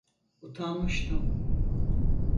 Utanmıştım.